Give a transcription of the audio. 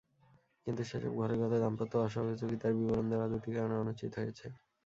কিন্তু সেসব ঘরের কথা, দাম্পত্য অসহযোগিতার বিবরণ দেওয়া দুটি কারণে অনুচিত হয়েছে।